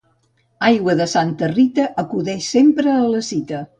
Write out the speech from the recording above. Aigua de Santa Rita acudeix sempre a la cita.